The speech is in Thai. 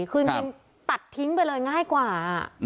คือจริงตัดทิ้งไปเลยง่ายกว่า